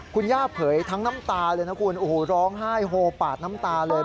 คุณย่าเผยทั้งน้ำตาเลยนะคุณโอ้โหร้องไห้โฮปาดน้ำตาเลย